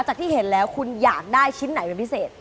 ที่เห็นแล้วคุณอยากได้ชิ้นไหนเป็นพิเศษ